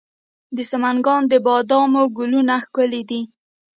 د سمنګان د بادامو ګلونه ښکلي دي.